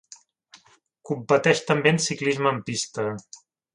Competeix també en ciclisme en pista.